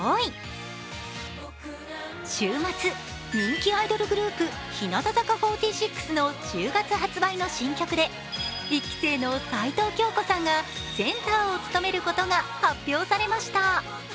週末、人気アイドルグループ日向坂４６の１０月発売の新曲で、一期生の齊藤京子さんがセンターを務めることが発表されました。